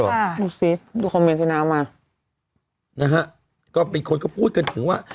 ดูซิดูคอมเมนต์ที่น้ำมานะฮะก็เป็นคนก็พูดกันถึงว่า